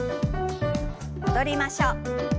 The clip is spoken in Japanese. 戻りましょう。